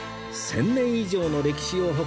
１０００年以上の歴史を誇る社です